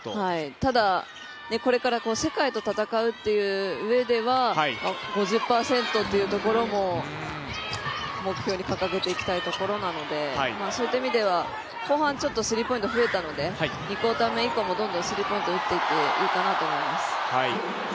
ただ、これから世界と戦うっていううえでは５０％っていうところも目標に掲げていきたいところなので後半、ちょっとスリーポイント増えたので２クオーター目以降もどんどんスリーポイント打っていいと思います。